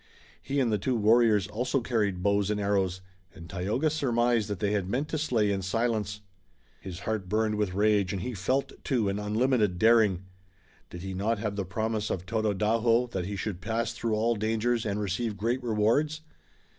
He and the two warriors also carried bows and arrows, and Tayoga surmised that they had meant to slay in silence. His heart burned with rage and he felt, too, an unlimited daring. Did he not have the promise of Tododaho that he should pass through all dangers and receive great rewards?